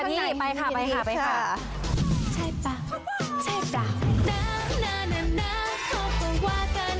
ใช่ป่ะใช่ป่ะ